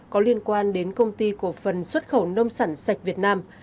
có liên quan đến công ty cổ phần xuất khẩu nông sản sạch việt nam